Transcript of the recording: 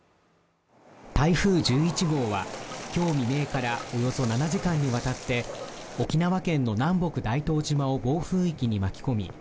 台風１１号は今日未明からおよそ７時間にわたって沖縄県の南北大東島を暴風域に巻き込み